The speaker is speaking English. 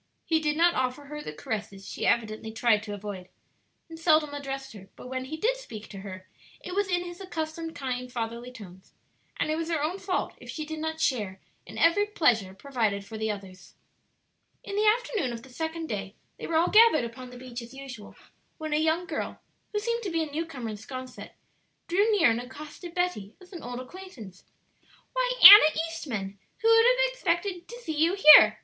He did not offer her the caresses she evidently tried to avoid, and seldom addressed her; but when he did speak to her it was in his accustomed kind, fatherly tones, and it was her own fault if she did not share in every pleasure provided for the others. In the afternoon of the second day they were all gathered upon the beach as usual, when a young girl, who seemed to be a new comer in 'Sconset, drew near and accosted Betty as an old acquaintance. "Why, Anna Eastman, who would have expected to see you here?"